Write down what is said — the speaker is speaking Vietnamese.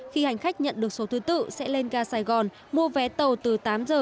khi hành khách nhận được số thứ tự sẽ lên gà sài gòn mua vé tàu từ tám giờ